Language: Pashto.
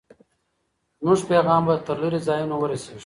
زموږ پیغام به تر لرې ځایونو ورسېږي.